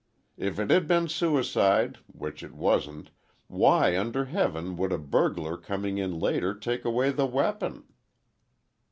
If it had been suicide—which it wasn't—why under heaven would a burglar coming in later, take away the weapon?"